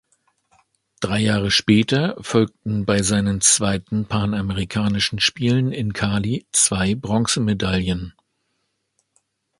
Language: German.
Drei Jahre später folgten bei seinen zweiten Panamerikanischen Spielen in Cali zwei Bronzemedaillen.